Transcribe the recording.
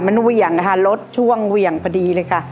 มันเหวี่ยงนะคะรถช่วงเหวี่ยงพอดีเลยค่ะ